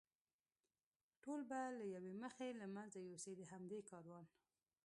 ټول به له یوې مخې له منځه یوسي، د همدې کاروان.